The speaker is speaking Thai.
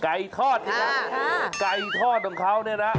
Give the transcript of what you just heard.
ไก่ทอดไก่ทอดของเขานะครับ